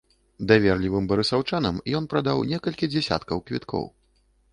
Даверлівым барысаўчанам ён прадаў некалькі дзясяткаў квіткоў.